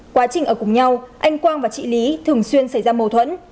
quá trình ở cùng nhau anh quang và chị lý thường xuyên xảy ra mâu thuẫn